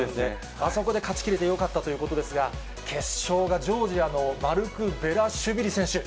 あそこで勝ち切れてよかったということですが、決勝がジョージアの、マルクベラシビリ選手。